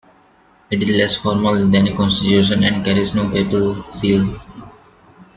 It is less formal than a constitution and carries no papal seal.